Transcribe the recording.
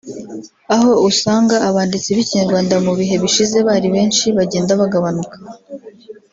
aho usanga abanditsi b’ikinyarwanda mu bihe bishize bari benshi bagenda bagabanuka